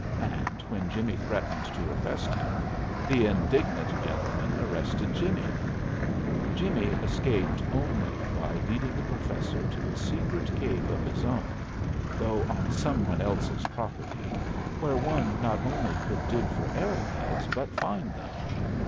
And when Jimmie threatened to arrest him, the indignant gentleman arrested Jimmie. Jimmie escaped only by leading the professor to a secret cave of his own, though on some one else's property, where one not only could dig for arrow heads, but find them.